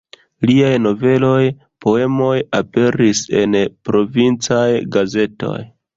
Liaj noveloj, poemoj aperis en provincaj gazetoj.